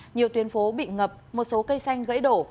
nhiều tuyến phố bị ngập một số cây xanh gãy đổ